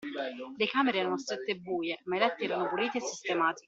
Le camere erano strette e buie, ma i letti erano puliti e sistemati.